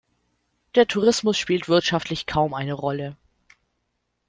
Der Tourismus spielt wirtschaftlich kaum eine Rolle.